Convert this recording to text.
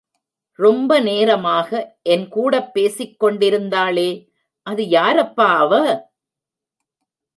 ரொம்ப நேரமாக என் கூடப் பேசிக் கொண்டிருந்தாளே, அது யாரப்பா அவ?